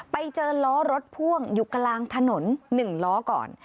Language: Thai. ไปเจอล้อรถพ่วงอยู่กลางถนน๑ล้อก่อน